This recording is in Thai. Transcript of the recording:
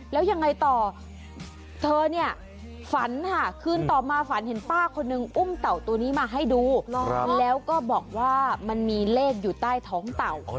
แล้วยังไงต่อเธอเนี่ยฝันค่ะคืนต่อมาฝันเห็นป้าคนนึงอุ้มเต่าตัวนี้มาให้ดูแล้วก็บอกว่ามันมีเลขอยู่ใต้ท้องเต่า